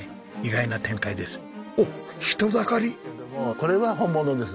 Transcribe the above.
これは本物です。